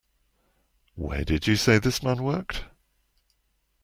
Where did you say this man worked?